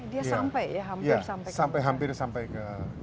dia sampai ya hampir sampai ke